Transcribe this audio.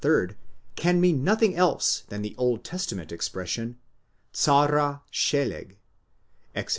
third can mean nothing else than the Old Testament expression sw ys (Exod.